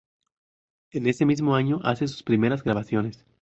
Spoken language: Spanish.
En ese mismo año hace sus primeras grabaciones.